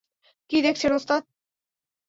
কী দেখছেন, ওস্তাদ?